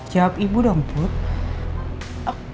jawab ibu dong putra